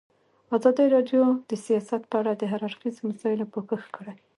ازادي راډیو د سیاست په اړه د هر اړخیزو مسایلو پوښښ کړی.